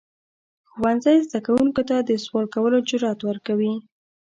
ښوونځی زده کوونکو ته د سوال کولو جرئت ورکوي.